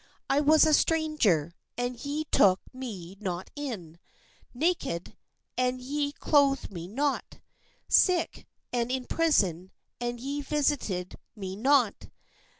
I was a stranger, and ye took me not in: naked, and ye clothed me not: sick, and in prison, and ye visited me not."